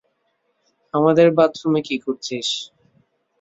আমাদের বাথরুমে কী করছিস?